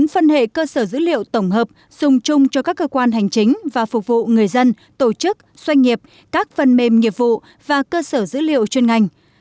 phân hệ cơ sở dữ liệu tổng hợp dùng chung cho các cơ quan hành chính và phục vụ người dân tổ chức doanh nghiệp các phần mềm nghiệp vụ và cơ sở dữ liệu chuyên ngành